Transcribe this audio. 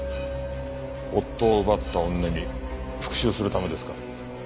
夫を奪った女に復讐するためですか？